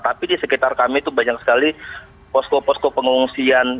tapi di sekitar kami itu banyak sekali posko posko pengungsian